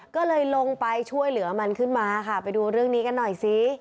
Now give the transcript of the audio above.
ก็เลยลงไปช่วยเหลือมันขึ้นมาค่ะไปดูเรื่องนี้กันหน่อยสิ